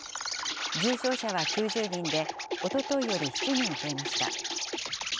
重症者は９０人で、おとといより７人増えました。